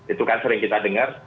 itu kan sering kita dengar